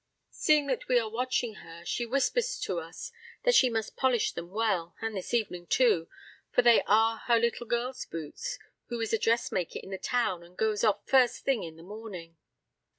Seeing that we are watching her, she whispers to us that she must polish them well, and this evening too, for they are her little girl's boots, who is a dressmaker in the town and goes off first thing in the morning.